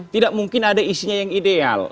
tidak mungkin ada isinya yang ideal